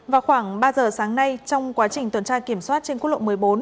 vào khoảng ba giờ sáng nay trong quá trình tuần tra kiểm soát trên quốc lộ một mươi bốn